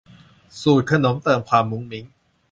สูตรขนมเติมความมุ้งมิ้ง